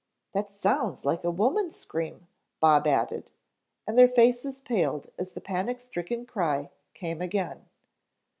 "That sounds like a woman's scream," Bob added, and their faces paled as the panic stricken cry came again.